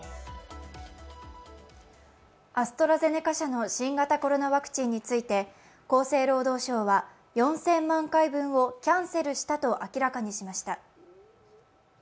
アストラゼネカ社の新型コロナワクチンについて厚生労働省は４０００万回分をキャンセルしたと明らかにしました。